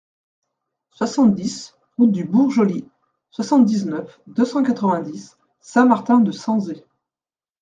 soixante-dix route du Bourg Joly, soixante-dix-neuf, deux cent quatre-vingt-dix, Saint-Martin-de-Sanzay